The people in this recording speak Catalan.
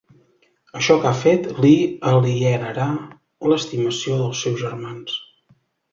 Això que ha fet li alienarà l'estimació dels seus germans.